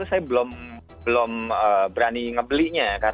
saya belum belum berani ngebeli